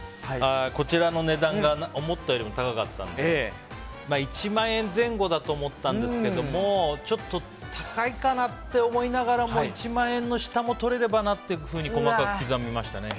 こちらの値段が思ったよりも高かったので１万円前後だと思ったんですけど、ちょっと高いかなって思いながらも１万円の下もとれればなと細かく刻みましたね。